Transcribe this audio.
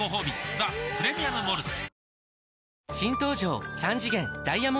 「ザ・プレミアム・モルツ」